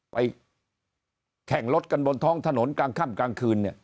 ไปแข่งรถกันบนท้องถนนกลางค่ำกลางคืน